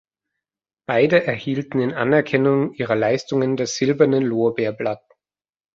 Beide erhielten in Anerkennung ihrer Leistungen das Silberne Lorbeerblatt.